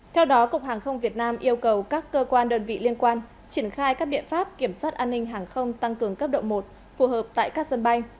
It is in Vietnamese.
theo đó cục hàng không việt nam yêu cầu các cơ quan đơn vị liên quan triển khai các biện pháp kiểm soát an ninh hàng không tăng cường cấp độ một phù hợp tại các sân bay